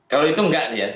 kalau itu enggak ya